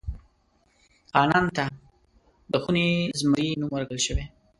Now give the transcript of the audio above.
خانان ته د خوني زمري نوم ورکړل شوی.